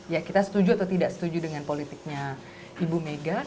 ya kita setuju atau tidak setuju dengan politiknya ibu mega